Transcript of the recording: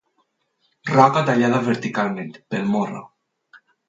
Roca tallada verticalment, pel morro.